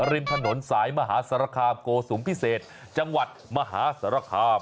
ริมถนนสายมหาสารคามโกสุมพิเศษจังหวัดมหาสารคาม